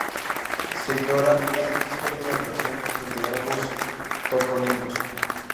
Se ignora si existe alguna relación entre ambos topónimos.